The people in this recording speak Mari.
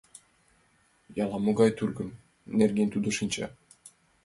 Ала-могай тургым нерген тудо шинча.